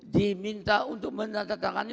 diminta untuk menandatangani